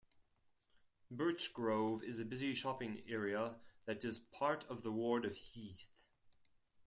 Birchgrove is a busy shopping area that is part of the ward of Heath.